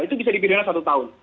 itu bisa dipidana satu tahun